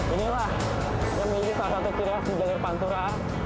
inilah yang menjadi salah satu kira di jalur pantura